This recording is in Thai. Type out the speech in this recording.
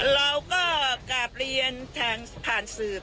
เราก็กลับเรียนทางผ่านสื่อ